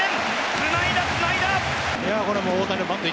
つないだ、つないだ！